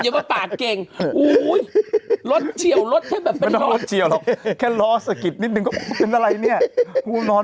โอ้มันน่วปปาดเก่งโอ้โหลดเฉียวแค่แบบไปนอน